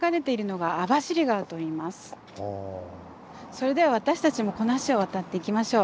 それでは私たちもこの橋を渡って行きましょう。